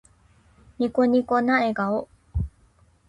ニコニコな笑顔。